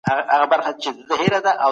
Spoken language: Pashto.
پښتو په نړيواله کچه وپېژنه.